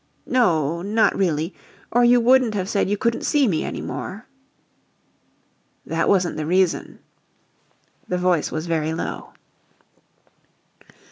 "No not really or you wouldn't have said you couldn't see me any more." "That wasn't the reason." The voice was very low.